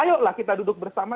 ayolah kita duduk bersama